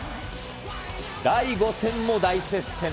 第５戦も大接戦。